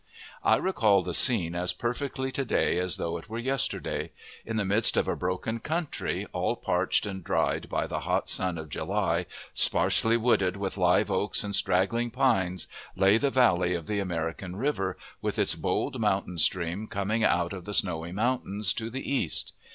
I recall the scene as perfectly to day as though it were yesterday. In the midst of a broken country, all parched and dried by the hot sun of July, sparsely wooded with live oaks and straggling pines, lay the valley of the American River, with its bold mountain stream coming out of the Snowy Mountains to the east.